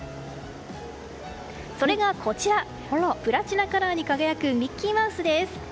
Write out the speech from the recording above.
それがプラチナカラーに輝くミッキーマウスです。